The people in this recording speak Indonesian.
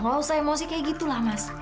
gak usah emosi kayak gitu lah mas